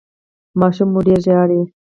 ماشوم مو ډیر ژاړي؟